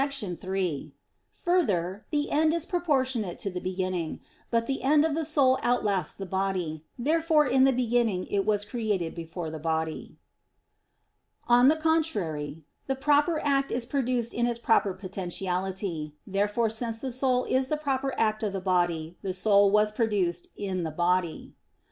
3: Further, the end is proportionate to the beginning. But in the end the soul outlasts the body. Therefore in the beginning it was created before the body. On the contrary, The proper act is produced in its proper potentiality. Therefore since the soul is the proper act of the body, the soul was produced in the body.